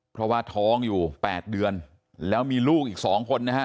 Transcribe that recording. เพราะว่าท้องอยู่๘เดือนแล้วมีลูกอีก๒คนนะฮะ